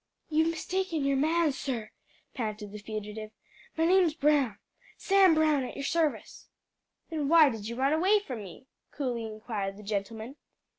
"You've mistaken your man, sir," panted the fugitive. "My name's Brown Sam Brown at your service." "Then why did you run away from me?" coolly inquired the gentleman.